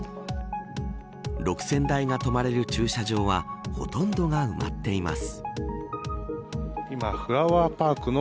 ６０００台が止まれる駐車場はほとんどが埋まっています。